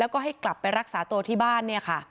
ก็กลับไปรักษาตัวที่บ้าน